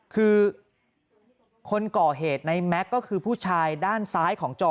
คือคนก่อเหตุในแม็กซ์ก็คือผู้ชายด้านซ้ายของจอ